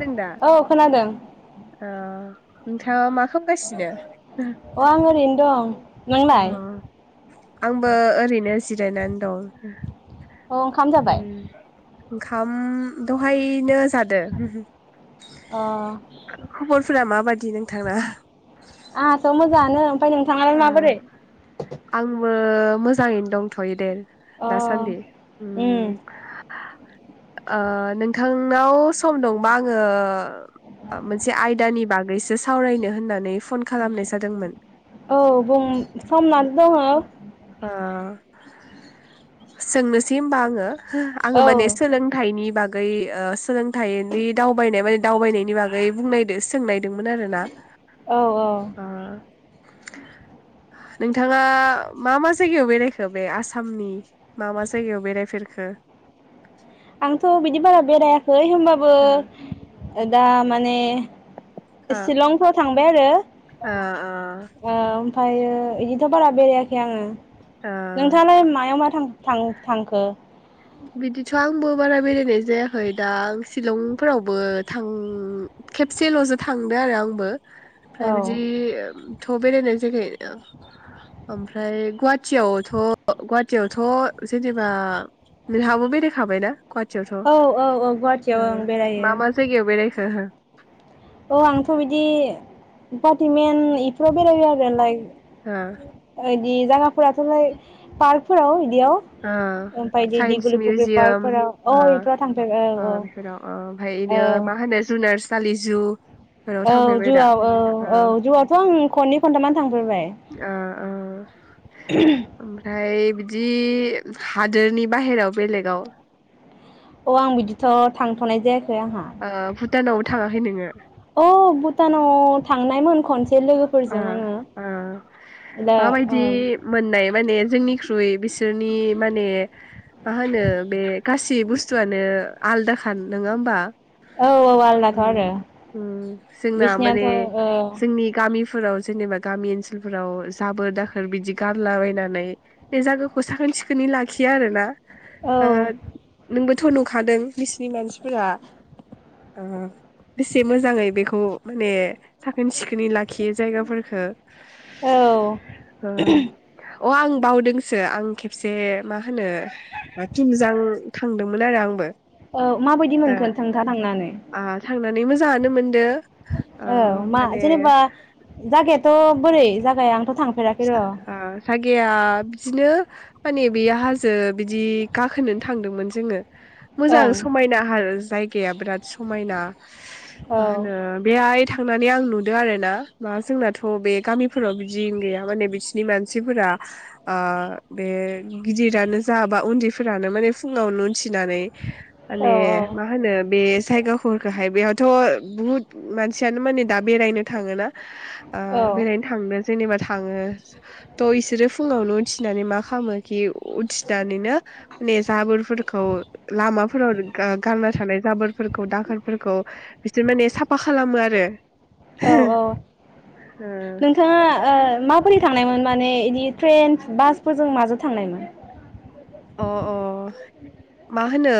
दों दा औ खोनादों ओ नोंथाङा मा खालामगासिनो? अ आं ओरैनो दं। अ नोंलाय आंबो ओरैनो जिरायनानै दं। अ ओंखाम उम जाबाय? ओंखाम दहायनो जादो अ आंहाथ' [unintelligible] खबर फोरा मा बादि नोंथांनाआ आंआथ मोजां आंनो। ओमफाय नोंथाङालाय माबोरै? बो मोजांङैनो दंथयो देर। अ दासान्दि उम ओम आंहा। ओ नोंथांनाव सम दंबा आंओ ओम मोनसे आयदानि बागैसो सो सावरायनो होननानै फन खालामनाय जादोंमोन। औ बुं समनानै दङो। ओ सोंनोसै होमबा आङो? आंओ औ माने सोलोंथाइनि बाग गै ओ सोलोंथाइनि दावबायनाय माने दावबायनायनि बागै बुंनायदो सोंनायदो मोन आरोना औ औ ओ [inaudible] नोंथाङा मा मा जायगायाव बेरायखो बे आसामनि मा मा जायगायाव बेरायफेरखो? है होमबाबो ओ दा माने ओ शिलंफोर थांबाय आरो ओ औ। ओमफायो इदिथ बारा बेरायाखै आङो। ओ नोंथाङालाय मायाव मा थां थां थांखो? बिदिथ आंबो बारा बेरायनाय जायाखै दा आं शिलंफोरावबो थां खेबसेलसो थांदों आरो आंबो। फ्राय औ बिदि ओम थ' बेरायनाय जागाय ओमफ्राय गुवाहाटियावथ' गुवाहाटियावथ' जेनेबा नोंहाबो बेरायखाबाय ना? कुवाहाटियावथ' औ औ औ गुवाहाटियाव ओ आं बेरायो मा मा जायगायाव बेरायखो हो। औ आंथ' बिदि गवाटिमेन इफोराव बेरायबाय आरो लाइक हो। दि जागाफोराथ' लाय पार्कफोराव बिदियाव ओ ओमफ्राय बिदि साइन्स दिगुलि फुख्रि मिउजियाम पार्कफोराव औ ओ इफोराव थांफेरबाय औ ओ बेफोराव ओ ओमफ्राय औ इनो मा होनो जुनार्स फालिजु औ जुवा औ औ जुवाथ' आं खनै खन्थामानो अ ओ ओमफ्राय दि हादोरनि बाहेरायाव बेलेगाव अ आं बिदिथ' थांथ'नाय जायाखै आंहा ओ भुटानावबो थाङाखै नोङो औ भुटानाव थांना आइ मोन खनस ओ ओ दा माबायदि ओं मोननाय माने जोंनिख्रुइ बेसि सोरनि माने मा होनो बे गासै बुस्थुआनो आलदा खान नोङा होमबा? औ औ आलदाथ' उम आरो उम जोंना माने बिसिनियाथ' औ जोंनि गामिफोराव जेनेबा गामि ओनसोलफोराव जाबोर दाखोर बिदि गारलाबायनानै बे जागोखौ साखोन सिखोनै लाखियो आरो ना। औ ओ नोंबो थ' नुखादों बिसिनि मानसिफोरा ओ बेसे मोजाङै बेखौ माने साखोन सिखोनै ला खि जायगाफोरखो औ ओ अ आं बावदोंसो आं खेबसे मा होनो थुमजां थांदोंमोन आरो आंबो। औ माबायदि ओ मोनखो नोंथाङा थांनानै? आ थांनानै मोजाङानो मोनदो ओ औ मा माने जेनेबा जागायाथ' बोरै जा जा ओ जागाया बिदिनो माने बे हाजो बिदि गाखोनो थांदोंमोन जोङो। मोजां ओं समायना हा जायगाया बिराद समायना औ मा होनो बेहाय थां थांनानै आं नुदों आरो ना मा जोंनाथ' बे गामिफोराव बि जिं गैया माने बिसिनि मानसिफोरा ओ बे गिदिरानो जा बा उन्दैफोरानो माने फुङावनो थिनानै औ माने मा होनो बे जायगाफोरखोहाय बेहद थ बुहुद मानसियानो माने दा बेरायनो थाङोना ओ औ बेरायनो थांदों जेनेबा थाङो थ इसोरो फुङावनो उथिनानै मा खालामो खि उथिनानैनो माने जाबोरफोरखौ लामाफोराव गा -गारना थानाय जाबोरफोरखौ दाखोरफोरखौ बिसोर माने साफा खालामो आरो औ औ नोंथाङा। ओ माबोरै थांनायमोन माने। ए इदि ट्रेन बासफोरजों माजों थांनायमोन। अ अ मा होनो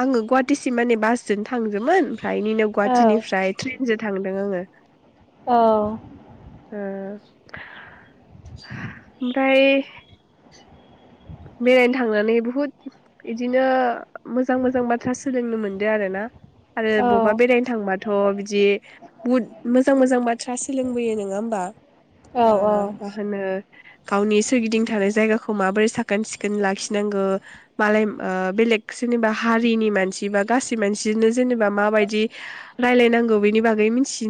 आङो गुवाहाटिसिम माने बासजों थांजोमोन। फायनिनोनो औ गुवाहाटिनिफ्राय ट्रेनजों थां दों आङो। औ। ओ ओमफ्राय। बेरायनो थांनानै बुहुद बिदिनो मोजां मोजां बाथ्रा सोलोंनो मोनदों आरो ना। आरो औ बबेबा बेरायनो थांबाथ बिदि बुहुद मोजां मोजां बाथ्रा सोलोंबोयो नङा होमबा औ ओ औ मा होनो। गावनि सोरगिदिं थानाय जायगाखौ माबोरै साख खोन सिखोन लाखिनांगौ मालाय ओ बेलेग सोरनिबा हारिनि मानसि बा गासै मानसिनो जेनेबा माबायदि रायलायनांगौ बेनि बागै मिनथि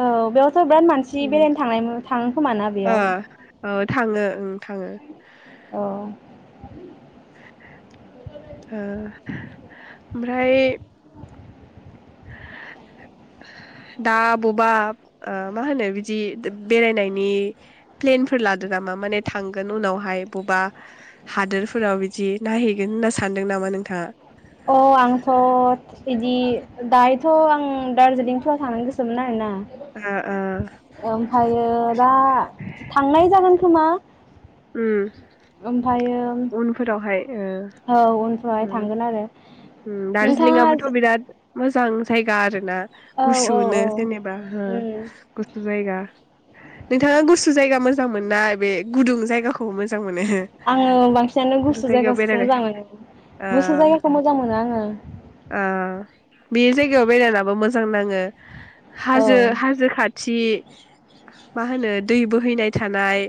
औ बेयावथ बिराद मानसि उम बेरायनो थांनायमो थां खोमाना ओ बेयाव। औ थाङो ओं थाङो। औ। ओ। ओमफ्राय। दा बबेबा ओ मा होनो बिदि बेरायनायनि प्लेनफोर लादो नामा माने थांगोन उनावहाय बबेबा हादोरफोराव बिदि नायहैगोन होनना सानदों नामा नोंथाङा। अ आंथ सिक्किम। नि दायोथ आं दार्जिलिंफ्राव थांनो गोसोमोन आरोना। ओ ओ ओमफ्रायो दा थांनाय जागोन खोमा। उम। ओमफ्रायो। उनफोरावहाय। ओ औ उनफ्रावहाय उम थांगोन आरो उम नोंथाङा। दार्जिलिंआबोथ' बिराद मोजां जायगा आरो। ना औ गुसुनो औ जेनेबा हो उम गुसु जायगा। नोंथाङा गुसु जायगा मोजां मोननाय बे गुदुं जायगाखौ मोजां। मोजां मोनो हो। फसेयानो गुसु जायगाखौसो मोजां मोनो ओ गुसु जायगाखौ मोजां मोनो आङो। अ बे जायगायाव बेरायनाबो मोजां नाङो। औ हाजो हाजो खाद। थि मा होनो दै बोहैनाय थानाय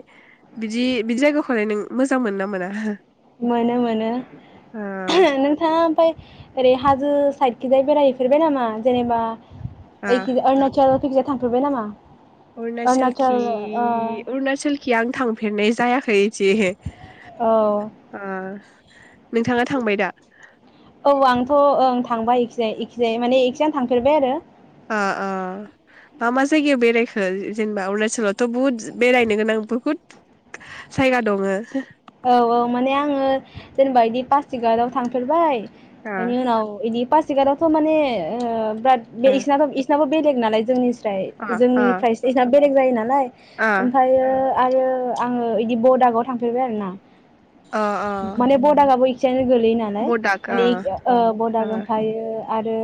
बिदि बिदि जायगाखौलाय नों मोजां मोनो ना मोना? [unintelligible] मोनो मोनो ओ नोंथाङा ओमफाय ओरै हाजो साइडखिजाय बेरायहैफेरबाय नामा जेनेबा ओ ओयखि अरुणाचलखिजा थांफुरबाय नामा? अरुणाचलखि अरुणाचल ओ अरूणाचलखि आं थांफेरनाय जा जायाखै इसेहे। औ अ [unintelligible] नोंथाङा थांबाय दा? आं थांबाय इखिजाय इखिजाय माने इखिजाय आं थांफेरबाय आरो। अ अ मा मा जायगायाव बेरायखो जेनेबा अरुणाचलावथ' बहुद बेरायनो गोनां बहुद जायगा दङ। औ औ माने आङो जेनेबा बिदि पासिगाटआव थांफेरबाय। इनि ओ उनाव इनि पास सिगातावथ' माने ओम बाद बे इसिनाबो इसनाबो बेलेग नालाय जोंनि ओ सि [unintelligible] बेलेग जायो नालाय। ओ ओमफ्रायो आरो। ओ आङो इदि बडागाव थांफेरबाय आरो ना। ओ ओ माने बदागाबो इ जेन। गोलोयोनालाय बडाक माने ओ इ ओ बदाग ओ ओमफायो आरो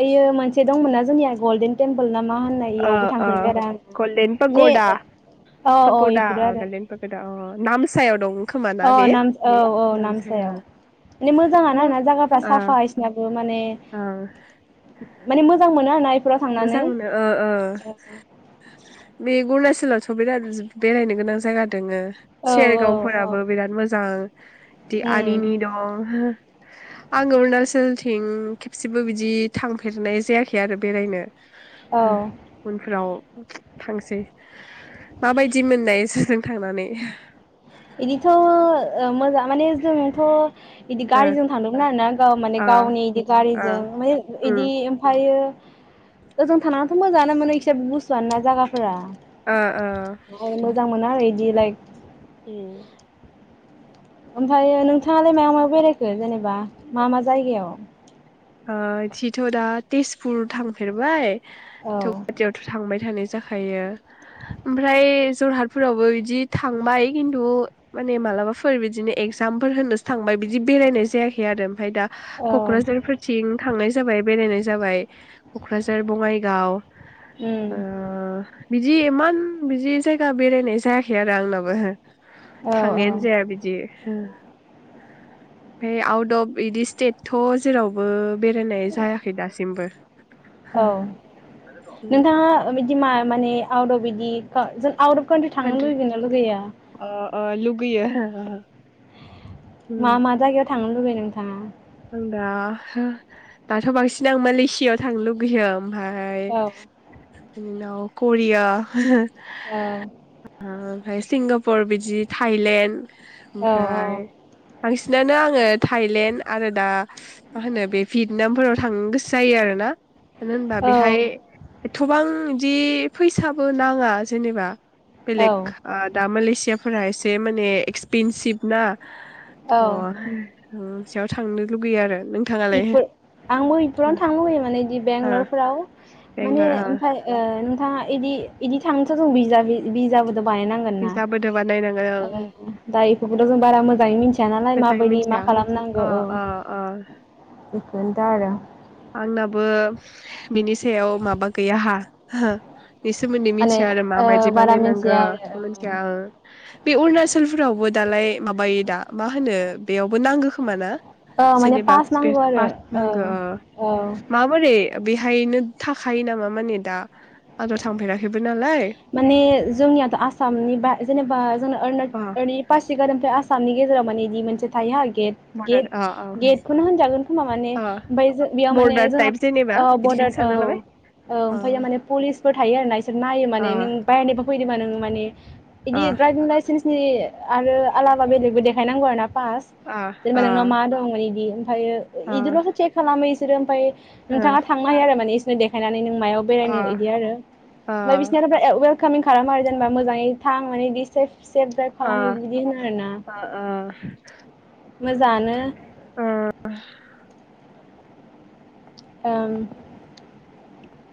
ओइयो मोनसे दंमोना जोंनिया गलडेन टेमपोल ना मा होननाय ओ इयावबो ओ थांफेरबाय आरो आं गलडेन ने पाग'दा अ पाग'दा इफोरो अ आरो गलडेन पाग'दा अ नामसायाव दं। खोमा अ ना बे नाम औ औ नामसाया नामसायाव माने मोजाङानो ओ आरोना जागाफ्रा ओ साफा इसिनाबो माने ओ माने मोजां मोनो आरोना। इफोराव मोजां थांनानै मोनो ओ ओ बे अरुणाचलावथ' बिराद जो बेरायनो गोनां जायगा दोङो। औ औ औ सेरगावफोराबो बिराद मोजां दि उम आनिनि दं। आं अरुणाचलथिं खेबसेबो बिदि थांफेरनाय जायाखै आरो बेरायनो। औ हो उनफ्राव थांसै माबायदि मोननाय सोरजों थांनानै? बिदिथ' ओ मोजां माने जोंथ' इदि ओ गारिजों थांदोंमोन आरोना गाव माने ओ गावनि इदि ओ गारिजों माने इदि उम ओमफायो ओजों थांनानैथ' मोजाङानो मोनो। जबो गुसुआनो ना जागाफोरा ओ ओ मोजां मोना आरो इदि लाइक [unintelligible] ओमफायो नोंथाङालाय मायाव मायाव बेरायखो जेनेबा मा मा जायगायाव? ओ इथिथ' दा तेजपुर थांफेरबाय थौवाटियावथ' थांबाय थांनाय जाखायो, ओमफ्राय जरहाटफोरावबो बिदि थांबाय खिन्थु माने मालाबाफोर बिदिनो एगजामफोर होनोसो थांबाय बिदि बेरायनाय जायाखै आरो ओमफ्राय दा औ क'क्राझारफोर थिं थांनाय जाबाय बेरायनाय जाबाय क'क्राझार बङाइगाव। उम्म ओ बिदि इमान बिदि जायगा बेरायनाय जायाखै आरो आंनाबो। औ थांनायानो जाया बिदि हो। ओमफाय आउट अफ इदि स्टेट थ' जेराव बो बो बेरायनाय जायाखै दासिमबो। औ नोंथाङा ओ बिदि मा माने आउट अफ बिदि का जोल आउट अफ कान्ट्रि थांनो लुुगैगोन ना लुगैया? गैयो मा मा जायगायाव थां थांनो लुबैयो नोंथाङा? आं दा हो दाथ' बांसिन आं मालसियाव थांनो लुगैयो। ओमफाय औ बिनि उनाव करिया हो। औ ओमफ्राय सिंगापुर बिदि थाइलेण्ड औ ओमफ्राय बांसिनानो आंङो थाइलेण्ड आरो दा मा होनो बे फिडनामफोराव थांनो गोसो जायो आरो ना। मानो होनबा औ बेहाय एथ'बां इदि फैसाबो नाङा जेनेबा औ बेलेक आ दा मालेसिया फोरा एसे माने एक्सपेनसिभ ना औ अ [inaudible] सायाव थांनो लुगैयो आरो नोंथाङालाय इपुर आंबो इपुरावनो थां लैयो माने बिदि ओ बेंगलरफ्राव माने ओमफफ्य ओ नोंथाङा बिदि बिदि थांनोथ' जों बिज्लाबै बिजाब दा बानाय नांगोनना बिजाबोदोबा नायनांगोन ओ ओं दा इफोरखौथ' जों बारा मोजाङै दानालाय बेखायनो माबायदि मा मिथिया खालामनांगौ अ औ। अ अ गोन दाआरो। आंनाबो बिनि सायाव माबा गैया हा हो। बेनि सोमोन्दै माने मिथिया आरो ओ माबायदि बारा बानायनांगौ मिथिया मिथियाख आरो आं बे अरुणाचलफोरावबो दालाय माबायो दा मा होनो बेयावबो नांगौ खोमा ना। अ माने जेनेबा पास बे मगौ आरो पास नांगौ ओ। माबोरै बेहायनो थाखायो नामा माने दा आंथ' थांफेराखैबो नालाय माने जोंनियाथ' आसामनि बा जेनेबा जोंना ओरना अ नि पासिगारनिफ्राय आसाम सामनि गेजेरा माने इदि मोनसे थायो हा गेट बरदार गेट अ अ गेटखौनो होनजागोन खोमा माने अ ओमफाय जो बेयाव माने बरदार जोंना टाइप जेनेबा औ बिदिखौनो बरदार औ सानना ओ लाबाय अ ओमफायो माने पुलिसफोर थायो आरोना इसोर नायो माने अ नों बायनोबो फैदो नों माने इदि द्राइभिं लाइसेन्सनि आरो आलाबा बेलेगबो देखायनांगौ आरो ना पास जेनेबा नोंनाव मा दं इदि। आमफायो इदिल'सो सेग खालामो इस बिसोरो ओमफाय नोंथाङा थांनो हाया आरो मानि नो देखायनानै नो नों मायाव बेरायनो इदि आरो आमफाय बिस [unintelligible] वेलकामिं खालामो आरो जेनेबा मोजाङै थां माने बि सेफ सेभ द्राइभ खालाम आं बिबायदि होनो आरोना मोजाङानो। ओम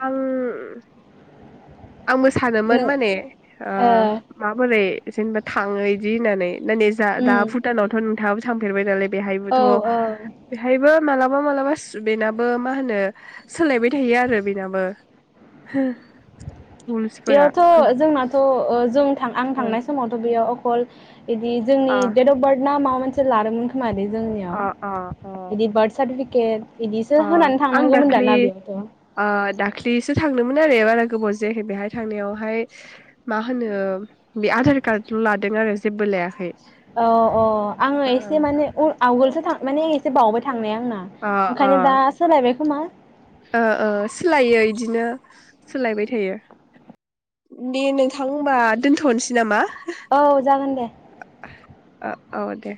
आं आंबो सानोमोन नों माने ओ माबोरै जेनबा थाङो इदि होननानै नेै नै जा दा उम भुटानावथ' नोंथाङबो थांफेरबाय दालाय औ बेहायबोथ' औ बेहायबो मालाबा मालाबा सुदेनाबो मा होनो सोलायबाय थायो आरो बेनाबो होह। बेयावथ' जोंनाथ' ओ जों थां आं थांनाय समावथ' बेयाव फल बिदि जोंनि अ डेट अफ बार्थ ना मामोन? लादोंमोन खोमादै। अ जोंनियाव अ बिदि बार्थ सार्टिफिकेट बिदिसो अ होनानै आं दाख्लि थांनांगौमोनदाना बेयावथ'। दोंमोन आरो बारा गोबाव जायाखै बेहाय थांनायावहाय मा होनो बे आधार कार्डल' लादों आरो जेबो लायाखै। औ अ आङो अ एसे माने अ आवगोलथ थार माने एसे बावबाय थांनाया। आंना अ अ ओंखायनो दा सोलायबाय खोमा ओ‌ ओ सोलायो इदिनो। सोलायबाय थायो दे नोंथां होनबा दोन्थ'नोसै नामा? औ जागोन दे। ओ औ दे।